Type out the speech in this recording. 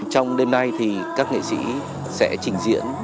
trong đêm nay thì các nghệ sĩ sẽ trình diễn